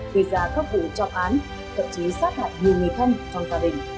về giá khắp vụ trọng án thậm chí sát hại nhiều người thân trong gia đình